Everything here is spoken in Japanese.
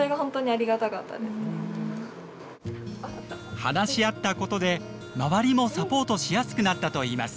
話し合ったことで周りもサポートしやすくなったといいます。